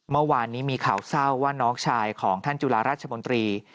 เมื่อวานนี้มีข่าวเศร้าว่าน้องชายของท่านจุฬาราชมนตรี